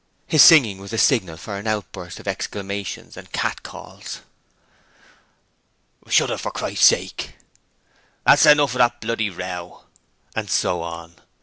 His singing was the signal for an outburst of exclamations and catcalls. 'Shut it, for Christ's sake!' 'That's enough of that bloody row!' And so on.